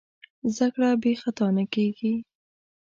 زدهکړه بېخطا نه کېږي.